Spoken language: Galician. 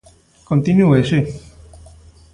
Continúe si.